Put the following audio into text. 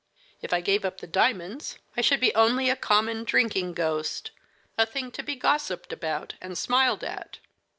If I gave up the diamonds, I should be only a common drinking ghost a thing to be gossiped about and smiled at."